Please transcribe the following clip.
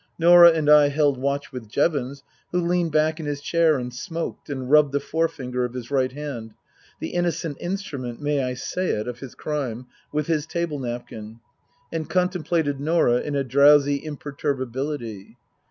Norah and I held watch with Jevons, who leaned back in his chair and smoked and rubbed the forefinger of his right hand the innocent instrument (may I say it ?) of his crime with his table napkin, and contemplated Norah in a drowsy imperturbability.